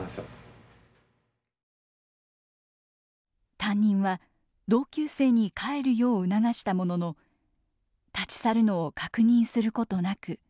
担任は同級生に帰るよう促したものの立ち去るのを確認することなくその場を離れました。